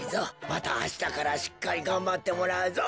またあしたからしっかりがんばってもらうぞ。